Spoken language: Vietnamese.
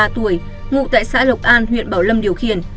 năm mươi ba tuổi ngụ tại xã lộc an huyện bảo lâm điều khiển